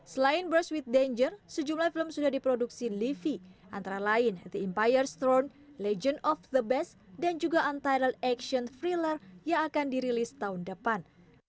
film brush with danger sejumlah film sudah diproduksi livi antara lain the empire's throne legend of the best dan juga untitled action thriller yang akan dirilis tahun depan